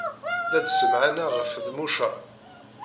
La d-ssemɛaneɣ ɣef Feḍmuca.